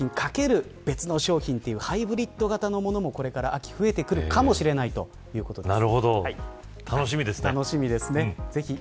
これまでの商品×別の商品というハイブリッド型のものも秋に増えてくるかもしれないということです。